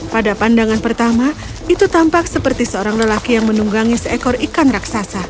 pada pandangan pertama itu tampak seperti seorang lelaki yang menunggangi seekor ikan raksasa